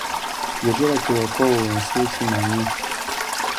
Yogera kye wakoowa ensi ekimanye.